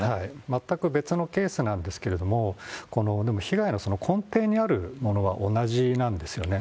全く別のケースなんですけれども、この被害の根底にあるものは同じなんですよね。